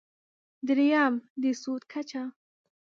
درېیم: د سود کچه.